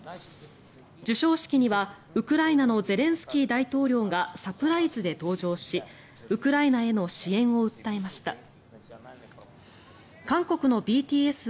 授賞式にはウクライナのゼレンスキー大統領がサプライズで登場しウクライナへの支援を訴えました。